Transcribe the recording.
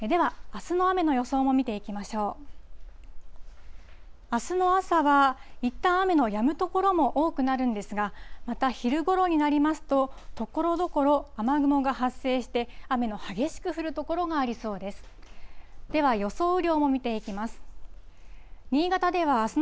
あすの朝は、いったん雨のやむ所も多くなるんですが、また昼ごろになりますと、ところどころ雨雲が発生して、雨の激しく降る所がありそうです。